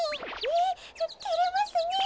えってれますねえ。